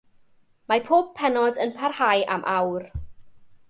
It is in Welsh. Mae pob pennod yn parhau am awr.